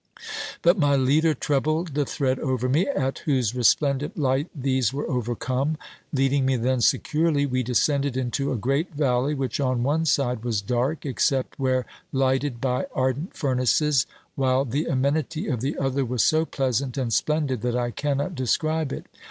But my leader trebled the thread over me, at whose resplendent light these were overcome. Leading me then securely, we descended into a great valley, which on one side was dark, except where lighted by ardent furnaces, while the amenity of the other was so pleasant and splendid, that I cannot describe it.